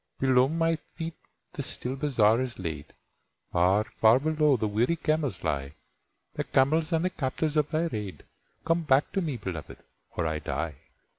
Below my feet the still bazar is laid Far, far below the weary camels lie, The camels and the captives of thy raid, Come back to me, Beloved, or I die!